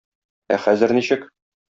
Ә хәзер ничек?